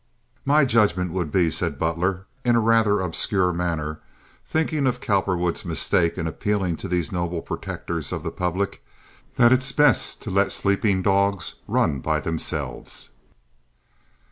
"My judgement would be," said Butler, in a rather obscure manner, thinking of Cowperwood's mistake in appealing to these noble protectors of the public, "that it's best to let sleepin' dogs run be thimselves."